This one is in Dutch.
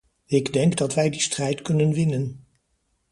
Ik denk dat wij die strijd kunnen winnen.